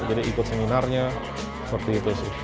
jadi ikut seminarnya seperti itu sih